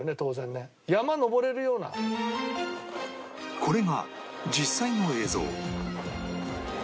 これが実際の映像